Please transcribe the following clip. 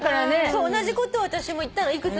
そう同じことを私も言ったの。